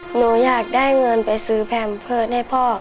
หนูอยากได้เงินไปซื้อแพมเพิร์ตให้พ่อ